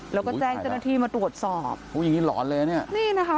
แล้วก็แจ้งกรณฑีมาตรวจสอบผู้หญิงนี้หลอนเลยอ่ะเนี้ยนี่นะคะ